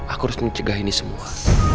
aku harus mencegah ini semua